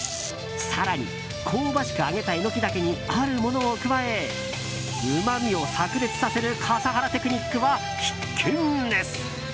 更に、香ばしく揚げたエノキダケにあるものを加えうまみを炸裂させる笠原テクニックは必見です。